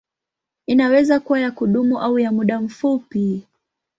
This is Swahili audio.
Inaweza kuwa ya kudumu au ya muda mfupi.